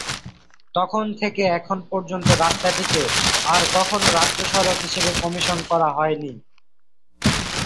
তখন থেকে এখন পর্যন্ত রাস্তাটিকে আর কখনো রাজ্য সড়ক হিসেবে কমিশন করা হয়নি।